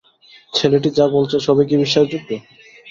ছেলেটি যা বলছে, সবই কি বিশ্বাসযোগ্য?